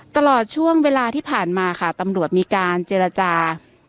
ตลอดช่วงเวลาที่ผ่านมาค่ะตำรวจมีการเจรจา